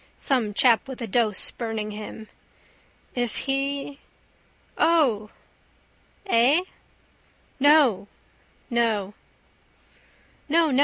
Some chap with a dose burning him. If he...? O! Eh? No... No. No, no.